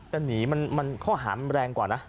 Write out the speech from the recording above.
แต่หนีมันข้อหามันแรงกว่านะ